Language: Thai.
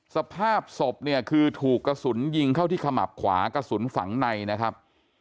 สภาพศพเนี่ยคือถูกกระสุนยิงเข้าที่ขมับขวากระสุนฝังในนะครับ